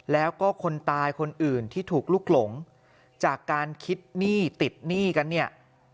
แล้วก็คนตายคนอื่นที่ถูกลุกหลงจากการคิดหนี้ติดหนี้กันเนี่ย